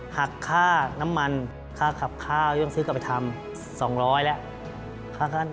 หักค่าน้ำมันค่าขับข้าวยังซื้อกลับไปทำ๒๐๐แล้ว